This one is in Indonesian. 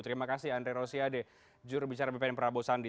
terima kasih andre rosiade jurubicara bpn prabowo sandi